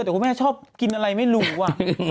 เดี๋ยวคุณแม่จ้ับกินอะไรไม่ลูวะ